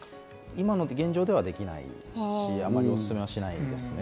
今の現状ではできないですし、あまりおすすめはしないです。